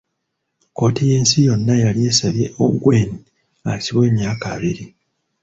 Kkooti y'ensi yonna yali asabye Ongwen asibwe emyaka abiiri.